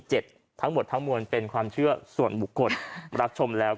เจ็ดทั้งหมดทั้งหมวนเป็นความเชื่อส่วนบุคศรักชมแล้ว